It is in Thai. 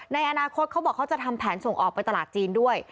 ในอนาคตเขาบอกเขาจะทำแผนส่งออกไปตลาดจีนด้วย